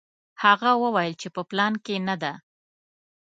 هغه وویل چې په پلان کې نه ده.